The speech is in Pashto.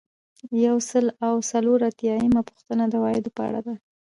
یو سل او څلور اتیایمه پوښتنه د عوایدو په اړه ده.